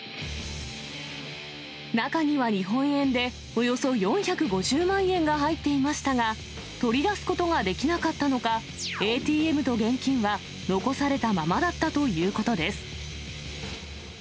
中には日本円でおよそ４５０万円が入っていましたが、取り出すことができなかったのか、ＡＴＭと現金は残されたままだったということです。